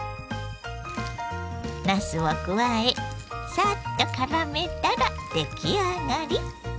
なすを加えサッとからめたら出来上がり。